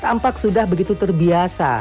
tampak sudah begitu terbiasa